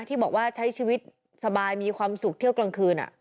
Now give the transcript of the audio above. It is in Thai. ที่บอกว่าใช้ชีวิตสบายมีความสุขเที่ยวกลางคืน